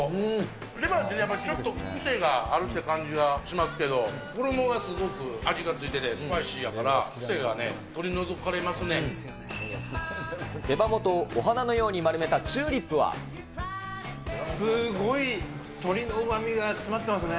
レバーってちょっと癖があるって感じがしますけど、衣がすごく味が付いてて、スパイシーやから、癖がね、取り除かれ手羽元をお花のように丸めたすごい、鶏のうまみが詰まってますね。